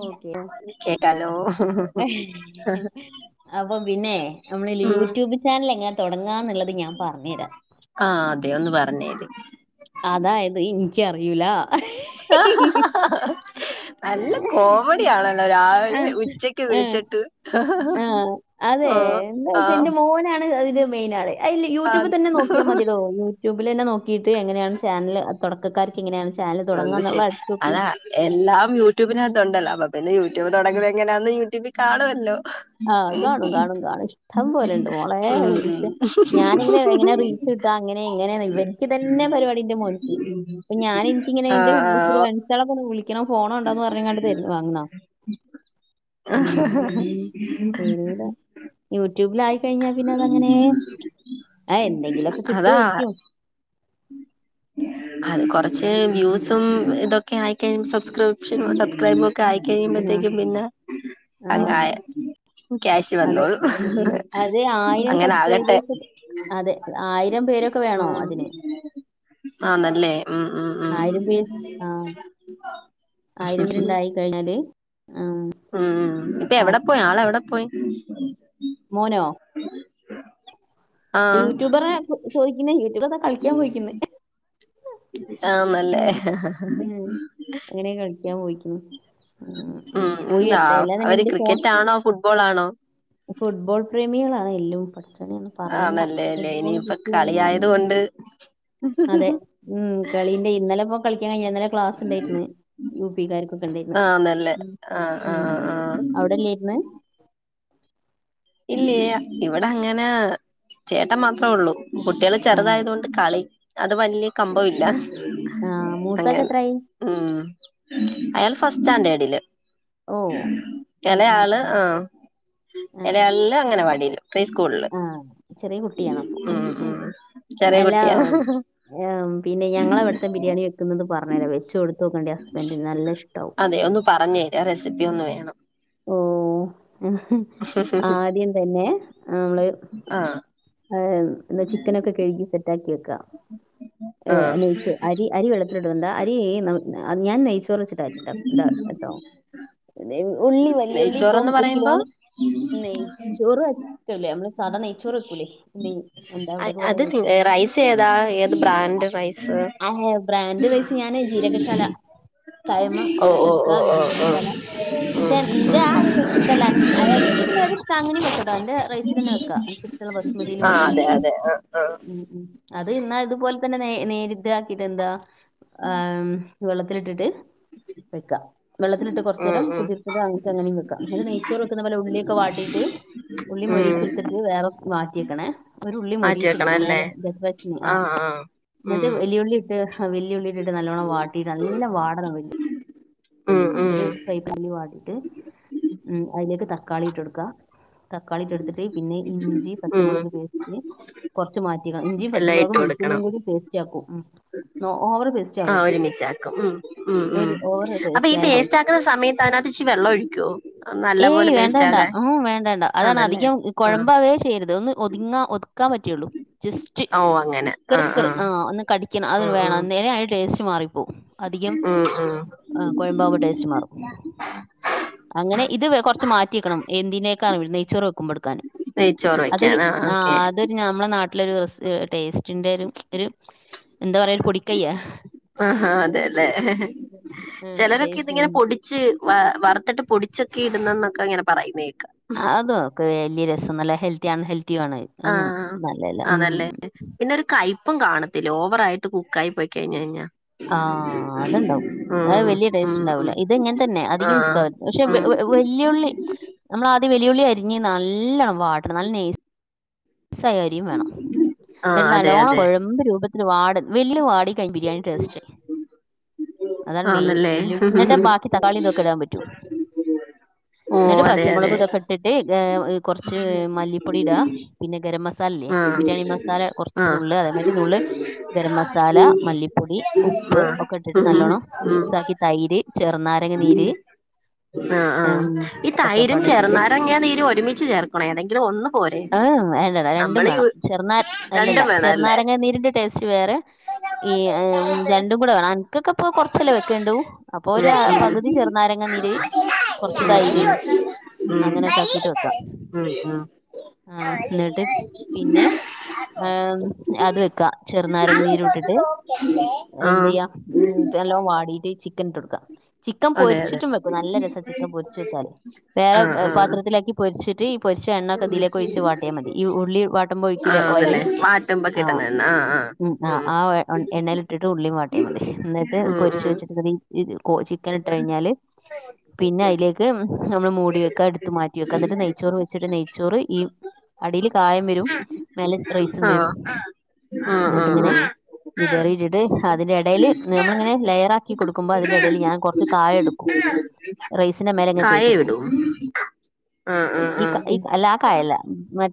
Okay കേക്കാലോ ഓഹ് [unintelligible] അപ്പൊ പിന്നേ നമ്മള്ലെ ഉം യൂട്യൂബ് ചാനലെങ്ങനെ തൊടങ്ങാന്നുള്ളത് ഞാൻ പറഞ്ഞു തരാം ആഹ് അതെ ഒന്ന് പറഞ്ഞേര് അതായത് എനിക്കറിയൂല ആഹാ [unintelligible] നല്ല കോമഡിയാണല്ലോ രാവിലെ ഉച്ചക്ക് വിളിച്ചിട്ട് [unintelligible] അതേ എന്ത് ആ വെച്ചാ എന്റെ മോനാണ് അയിന്റെ മെയിനാള് അയില് ആ യൂട്യൂബി തന്നെ നോക്കിയാ മതീടോ യൂട്യൂബ് ബില് തന്നെ നോക്കിയിട്ട് എങ്ങനെയാണ് ചാനല് തൊടക്കക്കാർക്ക് എങ്ങനെയാണ് ചാ അത് ശരി അതാ എല്ലാം യൂട്യൂബിനകത്തൊണ്ടല്ലോ അപ്പ പിന്നെ യൂട്യൂബ് തൊടങ്ങുന്ന എങ്ങനാന്ന് യൂട്യൂബി കാണുവല്ലോ ആഹ് കാണും കാണും കാണും ഇഷ്ടം പോലെയുണ്ട് മോളേ ഉം [unintelligible] ഞാനിങ്ങനെ എങ്ങനെ റീൽസി അപ്പൊ അങ്ങനെ എങ്ങനെയ ഇവനിക്ക് തന്നെ പരിപാടിയുണ്ട് മോന്ക്ക് ഇപ്പം ഞാന് എനിക്കിങ്ങ നെ ആ അയിന്റെ ആ മുമ്പക്കൊരു [unintelligible] വിളിക്കണോ ഫോണോ ഉണ്ടോന്ന് പറഞ്ഞങ്ങാണ്ട് തരുന്ന വാങ്ങണാ ഉം ഉം വെരൂലാ യൂട്യൂബിലായി കഴിഞ്ഞാ പിന്നെ അതങ്ങനേ ആഹ് എന്തെങ്കിലുമൊക്കെ അതാ കിട്ടുമായിരിക്കും പക്ഷേ വ്യൂസും ഇതൊക്കെ ആയിക്കഴിയും സബ്സ്ക്രിപ്ഷനും ഉണ്ട സബ്സ്ക്രൈബറ ആ, ക്കായിക്കഴിയുമ്പോത്തേക്കും പിന്നെ ആ അങ്ങായ ക്യാഷ് അതെ വന്നോളും അത് ആയിരം അങ്ങനെ ആകട്ടെ സബ്സ്ക്രൈബേഴ്സ് അതെ ആയിരം പേരൊക്കെ വേണോ അതിന് ആഹ് ന്നല്ലേ ഉം ഉം ഉം ആയിരം പേര് ആ ആയിരം പേരുണ്ടായി കഴിഞ്ഞാല് ആ, ഉം ഇപ്പ ആ, എവിടെ പോയി ആളെവിടെ പോയി മോനോ ആഹ് യൂട്യൂബറേ ചോയിക്കുന്നേ യൂട്യൂബറതാ കളിക്കാൻ പോയിക്കുന്ന ആന്നല്ലേ എങ്ങനെ ഉം അങ്ങനെ കളിക്കാൻ പോയിക്കുന്നു ഉം, ഉം പോയി ന്താ വരട്ടെ അവര് അല്ലാന്നുണ്ടെങ്കിൽ ഫോൺ ക്രിക്കറ്റാണോ ഫുട്ബോളാണോ ഫുട്ബോൾ പ്രേമികളാണ് എല്ലും പടച്ചോനേ ഒന്നും പറയണ്ടാ ആണല്ലേ അല്ലേ ഫുട്ബോള് ഇനിയിപ്പ കിട്ടി കയിഞ്ഞാ കളിയായത് കൊണ്ട് അതെ ഉം കളിന്റെ ഇന്നലെപ്പോ യാ ഇന്നലെ ക്ലാസ്സിണ്ടായിര്ന്ന് യു പിക്കാർക്കൊക്കെ ഇണ്ടായിരുന്നു ആന്നല്ലേ ആഹ് ഉം ആഹ് ആഹ് അവിടല്ലേര്ന്ന് ഇല്ലേ ഇവിടെ അങ്ങനെ ചേട്ടൻ മാത്രേ ഉള്ളൂ കുട്ടികള് ആ ചെറുതായത് കൊണ്ട് കളി അത് വല്ല്യ കമ്പമില്ല ആ മൂത്താക്ക് അങ്ങനെ എത്രായി ഉം അയാള് ഫസ്റ്റ് സ്റ്റാഡേഡില് ഓ ഉം ഉം എലേയാള് ഉം ആഹ് ആ ഇലേയാളില് അങ്ങനവാടിലും പ്രീ സ്കൂളില് ആ ചെറിയ കുട്ടിയാണ് അപ്പൊ ഉം ഉം ചെറിയ കുട്ടികളാ ആ പിന്നെ ഞങ്ങള അവിടുത്തെ ബിരിയാണി വെക്കുന്നത് പറഞ്ഞേ വെച്ച് കൊടുത്തു നോക്കണ്ടേ ഹസ്ബൻഡിന് നല്ല ഇഷ്ടാവും അതെ ഒന്ന് പറഞ്ഞേരെ റെസിപ്പി ഒന്ന് വേണം ഓ ആദ്യം തന്നെ അമ്മള് ആഹ് ചിക്കനൊക്കെ കഴുകി സെറ്റാക്കി വെക്കാ ഏ ആഹ് നീച്ചു അരി അരി വെള്ളത്തിലടണ്ട അരി ഞാൻ നീച്ചു [unintelligible] കേട്ടോ ഉള്ളി വല്യുള്ളി ഇപ്പം നെയ്ച്ചോറന്ന് ഒരു പറയുമ്പോ കിലോന് നെയ്ചോറ് എക്കുലേ നമ്മള് സാധാ നെയ്ചോറ് എയ് അത് റൈസ് ഏതാ ഏത് ബ്രാൻഡ് റൈസ് [unintelligible] ഞാന് ജീരകശാല കായ്മ ഓ ഓ എടുക്ക ഓ ഓ ഓ ജീരകശാല ഉം പക്ഷെ നിന്റെ ആ ഉം ഒരു ഇതല്ല അനക്ക് പിന്നെ ത്ഷ്ട അങ്ങന ന്റെ റൈസ് തന്നെ വെക്ക ആഹ് [unintelligible] അതെ അതെ ആഹ് അത് [unintelligible] തന്നെ നേരിദ്രാക്കിയിട്ട് എന്താ ആ വെള്ളത്തിലിട്ടിട്ട് വെക്കാ വെള്ളത്തിലിട്ട് ആഹ് കൊറച്ചേരം ഉം കുതിർതിട്ട് അങ്ങനെം വെക്കാം അത് നെയ്ച്ചോറ് വെക്കുന്ന പോല ഉള്ളിയൊക്കെ വാട്ടിട്ട് ഉള്ളി ഉം ഉം മൊരിയിച്ചെടുത്തിട്ട് വേറെ മാറ്റിക്കണെ ഒരു ഉള്ളി മാറ്റി വെക്കണം മൊരിയിച്ചെടുക്കണം അല്ലേ മേലെ [unintelligible] ആ ആഹ് ആഹ് എന്നട്ട് ഉം വലിയുള്ളി ഇട്ട് വല്യ ഉള്ളിട്ടിട്ട് നല്ലോണം വാട്ടി നല്ല വാടണം വല് ഉം ള്ളി ഉം ഒരു ഫ്രൈപ്പാനി വാട്ടീട്ട് ഉം അതിലേക്ക് തക്കാളി ഇട്ടൊടുക്കാം തക്കാളിട്ടൊടുത്തിട്ട് പിന്നെ ഇഞ്ചി ഉം പച്ചമൊളക് പേസ്റ്റ് കൊറച്ച് മാറ്റിക്കാ ഇഞ്ചീം എല്ലാം ഇട്ട് പച്ചമൊളകും കൊടുക്കണം വെളുത്തുള്ളീംയും കൂടി പേസ്റ്റ് ആക്കും ഓ ആ ഒരുമിച്ചാക്കും ഉം ഉം ഉം ഒരു ഓവർ അപ്പൊ പേസ്റ്റ് ഈ ആയ പേസ്റ്റാക്കുന്ന സമയത്ത് അതിനാത്ത്ച്ചി വെള്ളൊഴി ഏയ് വേണ്ടാണ്ട ഉം വേണ്ടാണ്ട അതാണ് ആണല്ലേ അധികം ആഹ് കൊഴമ്പാവേ ചെയ്യരുത് ന്ന് ഒതുങ്ങാ ഒതുക്കാൻ പറ്റിയുള്ളൂ ജസ്റ്റ് ഓ അങ്ങനെ ക്ർ ആഹ് ക്ർ ആഹ് ആ ഒന്ന് കടിക്കണം അത് ഉം വേണം അന്നേരെ അയ്ന്റെ ടേസ്റ്റ് മാറിപ്പോവും അധികം ഉം ഉം ഉം അ കൊഴമ്പാവൊ ടേസ്റ്റ് മാറും. അങ്ങനെ [unintelligible] കൊറച്ച് മാറ്റിക്കണം എന്തിനേക്കാ [unintelligible] ക്കുമ്പെടുക്കാന് നെയ്ച്ചോറ് അതൊരു വെക്കാനാ ആ ഓക്കെ അതൊരു ഞമ്മളെ നാട്ടി ലൊരു ടേസ്റ്റിന്റെരു ഒരു എന്താറയ ഒരു പൊടിക്കയ്യ ആ അതെല്ലേ ചെലരൊക്കെ ടേസ്റ്റ് ഇതിങ്ങനെ പൊടിച്ച് വ വ ത്ത്ട്ട് പൊടിച്ചൊക്കെ ഇടുന്നന്നൊക്കെ ഇങ്ങനെ പറയുന്നേ ആ അതോക്കെ വല്യ രസംന്നല്ല ഹെൽത്തി ആണ് ഹെൽ ആ അതല്ലേ പിന്നെ ഒരു കയ്പ്പും കാണു തില് ഓവറായിട്ട് കുക്കായിപ്പൊയ്ക്കഴിഞ്ഞഴിഞ്ഞ ആ അത്ണ്ടാവും അത വല്യ ടേസ്റ്റ് ഉം ഉണ്ടാവൂല ഉം ഇത്ങ്ങനെ തന്നെ അധികം ആഹ് കുക്കാ പക്ഷെ ഉം വല്യുള്ളി നമ്മള ത് വെല്ലുളി അരിഞ്ഞ് നല്ലണ്ണം വാട്ടണം നല്ല ന സകാരിയും വേണം ആഹ് അതെ എന്നല്ലോണം അതെ കൊഴമ്പ് രൂപത്തിൽപാട് വല്യ വാടിക്കൈ ബിരിയാണി ടേസ് [unintelligible] അതാണ് മെയിൻ ആന്നല്ലേ വെല്ലുവിളി ന്നിട്ട ബാക്കി തക്കാളി ഇതൊക്കെ ഇടാൻ പറ്റൂ ഓ ന്നിട്ട് അതെ പച്ചമുളക് അതെ തൊക്കെ ഇട്ടിട്ട് കൊറച്ച് മല്ലിപ്പൊടി ഇടാ പിന്നെ ഗരം മസ സാലല്ലേ ആഹ് ബിരിയാണി മസാല കുറച്ച് ആഹ് നുള്ള് അതേമാതിരി നുള്ള് ഗരം മസാല മല്ലിപ്പൊടി ഉപ് ഉപ്പ് ആഹ് ഒക്കട്ടിട്ട് ഉം നല്ലോണം ഉം മിക്സ ആക്കി തൈര് നാരങ്ങ നീര് ആ ആ ഉം ഈ ഒക്കെ തൈരും പാടിട്ടിട്ട് ചെർന്നാരങ്ങാ നീരുവൊരുമിച്ച് ചേർക്കണോ ഏതെങ്കിലും ഒന്ന് പോരെ വണ്ടട രണ്ടും നമ്മള് യു വേണം ചെറു നാ അല്ലല്ല രണ്ടും വേണം അല്ലേ ചെറുനാരങ്ങ നീരിന്റെ ടേസ്റ്റ് ച്ച് വേറെ ഈ രണ്ടും കൂടെ വേണം ക്കക്കപ്പൊ കൊറച്ചലെ വെക്കേണ്ടു അപ്പൊ ഉം ഒരു പകുതി ചെറുനാരങ്ങ നീര് കൊറച്ച് തൈര് ഉം ഉം അങ്ങനെക്കാക്കീട്ട് വെക്കാം ആ ട്ട് പിന്നെ ഏ അത് വെക്ക ചെറുനാരങ്ങ നീരും ഇട്ടിട്ട് ഉം ഉം ആഹ് എന്ത്‌യ്യാ തെല്ലാം വാടീട്ട് ചിക്കൻ ഇക്കാം ചിക്കൻ അതെ അതെ പൊരിച്ചിട്ടും വെക്കും നല്ല രസ ചിക്കൻ പൊരിച്ച് വെച്ചാല് വേറെ ആഹ് ആഹ് പാത്രത്തിലാക്കി പൊരിച്ച് പോരിച്ച എണ്ണ കതിലെക്ക് ഒഴിച്ച [unintelligible] ഉള്ളി വാട്ടുമ്പോ ഒഴിക്കൂലേ ഓയില് ആന്നല്ലേ വാട്ടുമ്പോ ആ കിട്ടുന്നെണ്ണ ആഹ് ആഹ് ഉം ആ എണ്ണേല് ഇട്ടിട്ട് ഉള്ളി വാട്ട്യാ മതി എന്നിട്ട് ഉം പൊരിച്ച് ഉം വെച്ചിട്ട് ചിക്കൻ ഇട്ട് കഴിഞ്ഞാല് പിന്നെ അയ്ലേക്ക് നമ്മള് മൂടി വെക്കാ ഇട്ത്ത് മാറ്റി വെക്ക എന്നിട്ട് നെയ്ച്ചോറ് വെച്ച്ട്ട് നെയ്ച്ചോറ് ഈ അടില് കായം വരും മേലെ റൈസും വരും ആ ആ ആ വിതറിടിട്ട് അതിന്റെ എടില് നമ്മളിങ്ങനെ ലെയറാക്കി കൊടുക്കുമ്പ അതിന്റെ എടില് ഞാൻ കോർച്ച് കായഴെടുക്കും റൈസിന്റെ മേലെ ഇങ്ങനെ കായ തേച്ചെട്ക്കും ഇടും ആഹ് ആഹ് ഈ ഈ ആഹ് അല്ല ആ കായല്ല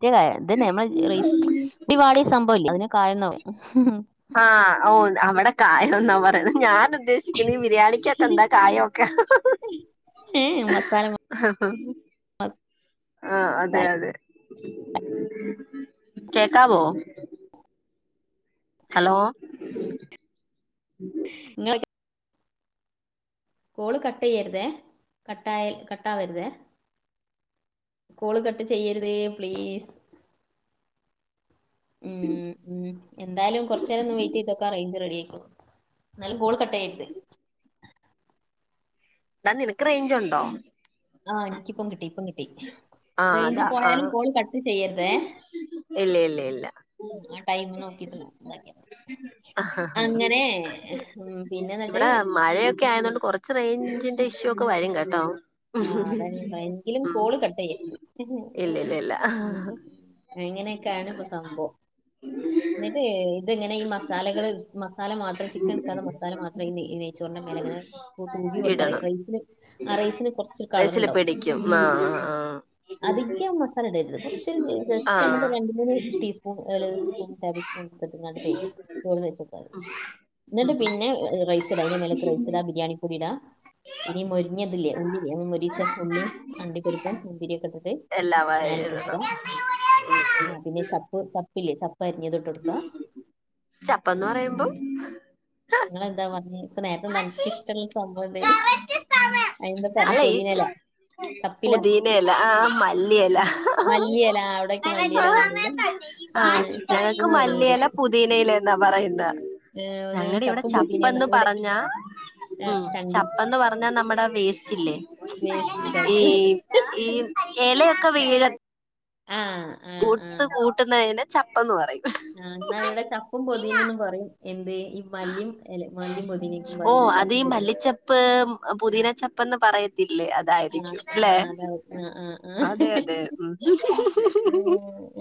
ഇത്ന്നെ നമ്മളെ ഇടിപാടിയ സംഭവം ഇല്ല അതിനെ കായം എന്നാ ആ ഓ അവ്ടെ കായം എന്നാ പറയ്ന്നെ ഞാൻ ഉ ഉദ്ദേശിക്കുന്ന ബിരിയാണിക്കക്കത് എന്താ കായംമോക്കെ ഏഹെ മസാല ആ പ ആ അതെ അതെ കേക്കാവോ? ഹലോ ങ്ങള് കോള് കട്ടെയ്യ്ര്തെ കട്ടായാൽ കട്ടാവര്തെ കോള് കട്ട് ചെയ്യരുതേ പ്ലീസ് ഉം ഉം എന്തായാലും കൊർച്ചെരൊന്ന് വെയ്റ്റ് ചെയ്തോക്കാ റയ്ഞ്ച് റെഡിയിക്കോളും ന്നാലും ക്കോള്ക [unintelligible] ന്നാ നിനക്ക് റേഞ്ച് ഉണ്ടോ ആ എനിക്കിപ്പം കിട്ടി ഇപ്പം കിട്ടി ആഹ് റേഞ്ച് അതാ പോയാലും ആഹ് കോള് കട്ട് ചെയ്യര്തേ ഇല്ല ഇല്ല ഇല്ല ആ ടൈം നോക്കിട്ട് [unintelligible] അങ്ങനെ ഉം, പിന്നെ എന്നിട്ട് ഇവിടെ മഴയൊക്കെ ആയതൊണ്ട് കൊർച്ച് റേഞ്ചിന്റെ ഇഷ്യൂ ഒക്കെ വരും കേട്ടോ ആ അതാണ് [unintelligible] എങ്കിലും ഉം കോള് കട്ട് യ്യരുത് ഇല്ല ഇല്ല ഇല്ല ഉം അങ്ങനെക്കെയാണ് പ്പൊ സംഭവം ന്ന്ട്ട് തങ്ങനെ ഈ മസാലകള് മസാല മാത്രം ചിക്കൻ എട്ക്കാത്ത മസാല മാത്രം ഈ നെയ് നെയച്ചോറിന്റെ മേലങ്ങനെ ഇടണം [unintelligible] [unintelligible] റൈസില് പിടിക്കും ആഹ് അ അധികം മസാല ഇടര്ത് കൊറച്ചൊരു ആഹ് ആഹ് ജസ്റ്റൊന്ന് രണ്ട് മൂന്ന് ടിസ്പൂൺ സ്പൂൺ [unintelligible] [unintelligible] ന്നട്ട് പിന്നെ റൈസ്ടാ അയ്ന്റെ മേലക്ക് റൈസ് ഇടാ ബിരിയാണി പൊടി ഇടാ ഇനി മൊരിഞ്ഞത്ല്ലേ ഉള്ളി മൊരിച്ച ഉള്ളിയും അണ്ടിപ്പരിപ്പും മന്തിരിയൊക്കെ ഇട്ടിട്ട് എല്ലാ വാഴയും മേലെ ഇട്ടൊട്ക്ക ഇടണം ആ പിന്നെ ചപ്പ് ചപ്പില്ലേ ച പരിഞ്ഞതും ഇട്ടൊട്ക്കാ ആ ചപ്പന്ന് ആ പറയുമ്പം ങ്ങളന്താ [unintelligible] പ്പ നേരത്തെ അൻക്കിഷ്ടള്ളരു സംഭവണ്ടാഴിരുന്നു [unintelligible] [unintelligible] പുദീന എല ആ മല്ലി എല ആ മല്ലിയില ആ, അവിടേക്ക് മല്ലിയില എന്ന് പറയില്ലേ ആ ചപ്പ് ഞങ്ങക്ക് എന്ന് പറയും മല്ലിയല ഇവിടേക്ക് പുതീനയിലെന്നാ പറയ്ന്നെ ആ, അത് ഞങ്ങടെ ഇവ്ടെ ചപ്പും പുതിന ചപ്പന്ന് ഇവിടെ പറഞ്ഞാ ആ, ഉം ചണ്ടി ചപ്പന്ന് പറഞ്ഞാ നമ്മടെ വേസ്റ്റില്ലേ വേസ്റ്റ് ഈ ചപ്പ് ഈ എലയൊക്കെ വീഴ ആ ആ ആ കൂട്ട് കൂട്ടുന്നെയ്ന് ചപ്പെന്ന് പറയും ആ ന്നാ ഇവിടെ ചപ്പും പൊതീനന്നും പറയും എന്തേയ്? ഓ പറഞ്ഞ് അത് ഈ ചപ്പും പൊതിന മല്ലിച്ചപ്പ് ആ പുതീനച്ചപ്പന്ന് പറയ് ല്ലേ ആ അതായിരിക്കും ആ ല്ലെ അതാവും. ആ ആ ആ. അതെ അതെ ഉം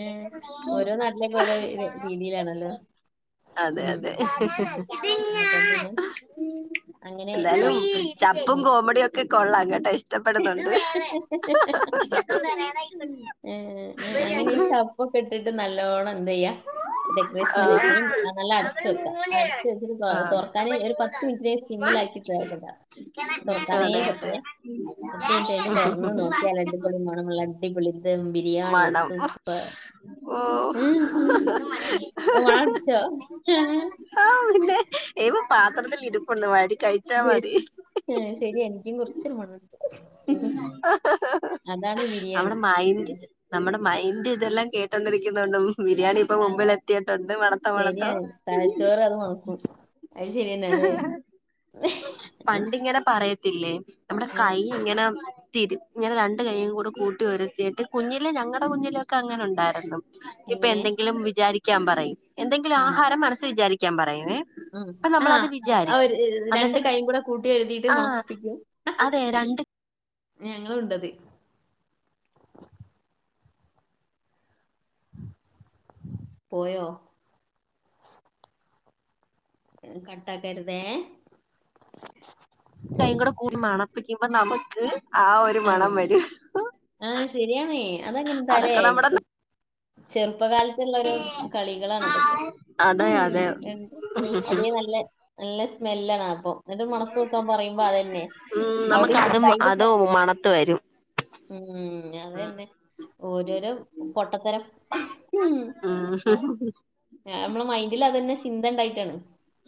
ഏ ഓരോ നാട്ടിലക്കും ഓരോ രീതിയിലാണല്ലോ ഉം. ഉം. അപ്പം പിന്നെ അങ്ങനെ എന്താലും ചപ്പ് ചപ്പും ഉം. കോമഡിയൊക്കെ കൊള്ളാം കേട്ട ഇഷ്ടപ്പെടുന്നുണ്ട് ഉം ഉം അങ്ങനെ ഈ ചപ്പൊക്കെ ഇട്ടിട്ട് നല്ലോണ്ണന്തയ്യ ഡെക്കറേഷന് ആ വെച്ച് നല്ല അടച്ച് വെക്ക്ആ അടച്ച് വെച്ചിറ്റ് ആ തുറക്കാൻ ഒരു പത്ത് മിനിറ്റി [unintelligible] [inaudible] തൊറക്കാനേ അതെ അതെ പറ്റില്ലേ പത്ത് മിനിറ്റ് കഴിഞ്ഞ് തുറന്ന് നോക്കിയാൽ അടിപൊളി മണുള്ള മണം ശ് ഓ സൂപ്പ് മണടിച്ചോ ആ പിന്നെ ഇവ പാത്രത്തിൽ ഇരിപ്പുണ്ട് വടി- [inaudible] ശരി എനിക്കും കുറച്ച് മ [inaudible] അതാണ് ബിരിയാണി നമ്മടെ മൈന്റെ ഉം. നമ്മുടെ മൈന്റ് ഇതെല്ലാം കേട്ടൊണ്ടിരിക്കുന്നോണ്ടും ബിരിയാണി ഇപ്പൊ ആ മുമ്പിൽ എത്തിയിട്ടുണ്ട് മണത്തോ മണത്തോ ശരിയാണ് തലച്ചോറ് അത് മണക്കും അത് ശരിയെന്നെ അല്ലേ പണ്ടിങ്ങനെ പറയ ത്തില്ലേ നമ്മുടെ ഏ, കൈ ഇങ്ങനെ തിരി ഇങ്ങനെ രണ്ട കയും കൂടെ കൂട്ടി വരുത്തിയിട്ട് കുഞ്ഞില ഞങ്ങളടെ കുഞ്ഞില ഒക്കെ അങ്ങനെ ഉണ്ടായിരുന്നു ഇപ്പൊ എങ്ങനെ എന്തെങ്കിലും വിചാരിക്കാൻ പറയും എന്തെങ്കിലും ഉം, ആഹാരം മനസി വിചാരിക്കാൻ പറയും ഉം ആഹ ആ ഒരു രണ്ട എന്നിട്ട് കൈയും കൂടെ കൂട്ടി വരുതിയിട്ട് ആഹ് മുളപ്പിക്കും അതെ രണ്ട് ഞങ്ങുണ്ടത് പോയ കട്ടക്കരുതെ കൈ കൂടെ കൂടാണ് പിക്കുമ്പ നമുക്ക് ആ ഒരു മണം വരൂ ആ ശരിയാണ് അതങ്ങനെ അതൊക്കെ നമ്മടെ ഇപ്പ കാലത്തുള്ളര കളികളാണ അതൊക്കെ അതെ അതെ അതേ നല്ല നല്ല സ്മെല്ലാണ് അപ്പ എന്നിട്ട് മുണക്ക നെക്കാൻ പറയുമ്പോ അതന്നെ അവിടെയും മണത്ത വരും ഉം അത തന്നെ ഓരോരോ പൊട്ടത്തരം ഉ നമ്മെ മൈന്ഡിൽ അത്തന്നെ ചിന്ത ഉണ്ടായിട്ടാണ്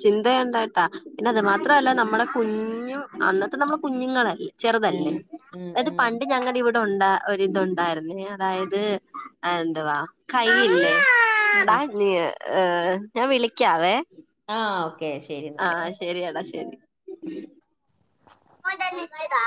ചിന്തയുണ്ടായിട്ടാ പിന്നെ അത് ഉം. മാത്രല്ല നമ്മുടെ കുഞ്ഞു അന്നത്തെ നമ്മെ കുഞ്ഞുങ്ങളല്ലേ ആ ചെറുതല്ലേ ഉം, അത് ഉം. പണ്ട് ഞങ്ങളുടെ ഇവിടെ ഉണ്ട ഒരിതുണ്ടായിുന്നേ അതായത് എന്തുവാ കൈയില്ലേ ഉം. ഏർ ഞാൻ വിളിക്കാവേ ആ, ഓക്കെ ശരി എന്നാല് ആഹ ശരിയടാ ശരി